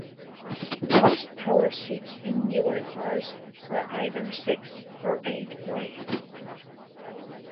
Most power seats in newer cars are either six- or eight-way.